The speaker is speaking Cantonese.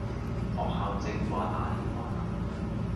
學校正話打電話嚟